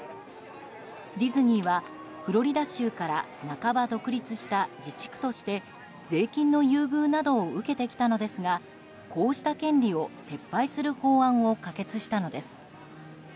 ディズニーはフロリダ州から半ば独立した自治区として税金の優遇などを受けてきたのですがこうした権利を撤廃する法案を可決したのです。